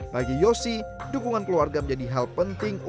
bagi yossi dukungan keluarga menjadi hal penting untuk dia